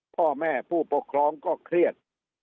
พ่อแม่ผู้ปกครองก็เครียด